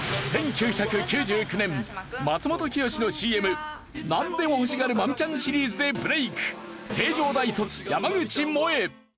１９９９年マツモトキヨシのＣＭ「なんでも欲しがるマミちゃん」シリーズでブレーク成城大卒山口もえ。